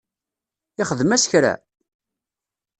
Ixdem-as kra?